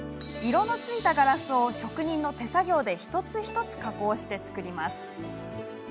色のついたガラスを職人の手作業で一つ一つ加工して作ります。